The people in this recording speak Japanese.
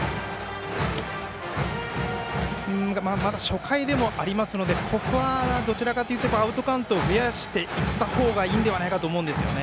まだ初回でもありますのでここはどちらかというとアウトカウントを増やしていったほうがいいのではないかと思うんですよね。